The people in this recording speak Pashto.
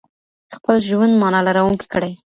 خپل ژوند مانا لرونکی کړئ.